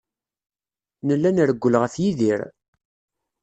Nella nrewwel ɣef Yidir.